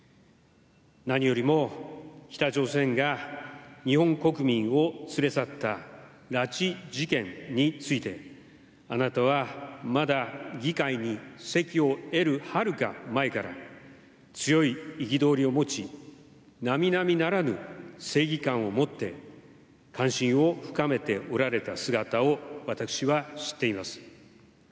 何よりも北朝鮮が日本国民を連れ去った拉致事件についてあなたはまだ議会に席を得るはるか前から強い憤りを持ち並々ならぬ正義感を持って関心を深めておられた姿を私は知っています。